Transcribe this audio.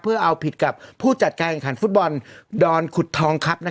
เพื่อเอาผิดกับผู้จัดการแข่งขันฟุตบอลดอนขุดทองครับ